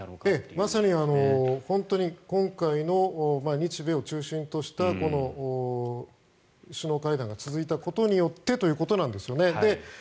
まさに本当に今回の日米を中心とした首脳会談が続いたことによってということなんですよね。